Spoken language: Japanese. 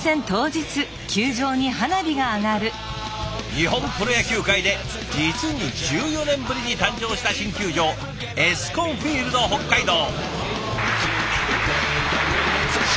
日本プロ野球界で実に１４年ぶりに誕生した新球場エスコンフィールド北海道。